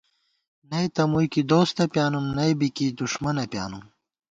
نئ تہ مُوئی کی دوستہ پیانُم ، نئ بی کی دُݭمَنہ پیانُم